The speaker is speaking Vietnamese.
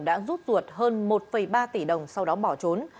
đã rút ruột hơn một ba tỷ đồng sau đó bỏ trốn